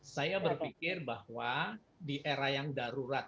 saya berpikir bahwa di era yang darurat